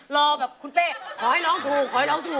รอแบบคุณเป๊ขอให้ร้องถูก